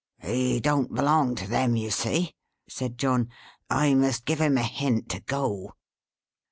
"He don't belong to them, you see," said John. "I must give him a hint to go."